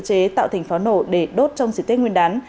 tự chế tạo thành pháo nổ để đốt trong sự tiết nguyên đán